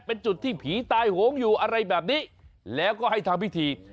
เป็นจุดที่ผีตายโหงอยู่อะไรแบบนี้แล้วก็ให้ทำพิธี